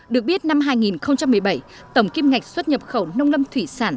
được biết năm hai nghìn một mươi bảy tổng kim ngạch xuất nhập khẩu nông lâm thủy sản